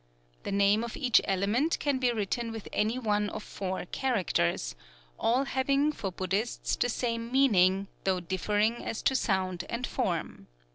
The name of each element can be written with any one of four characters, all having for Buddhists the same meaning, though differing as to sound and form.